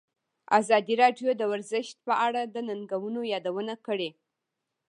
ازادي راډیو د ورزش په اړه د ننګونو یادونه کړې.